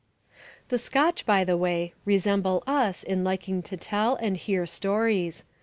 The Scotch, by the way, resemble us in liking to tell and hear stories.